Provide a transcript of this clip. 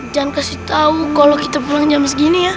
jangan kasih tau kalau kita pulang jam segini ya